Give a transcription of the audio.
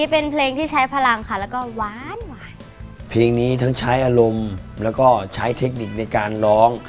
โซ่ไหมโซ่